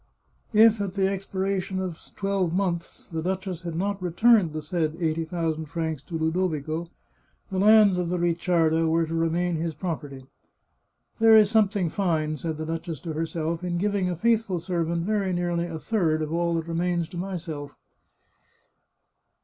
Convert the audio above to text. If, at the expiration of twelve months, the duchess had not returned the said eighty thousand francs to Ludovico, the lands of the Ricciarda were to remain his property. " There is something fine," said the duchess to herself, " in giving a faithful servant very nearly a third of all that remains to myself."